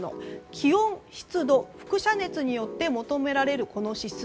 気温、湿度、輻射熱によって求められるこの指数。